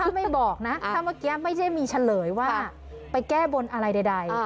ถ้าไม่บอกนะถ้าเมื่อกี้ไม่ได้มีเฉลยว่าไปแก้บนอะไรใด